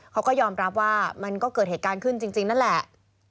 เขาก็ยอมรับว่ามันก็เกิดเหตุการณ์ขึ้นจริงนั่นแหละ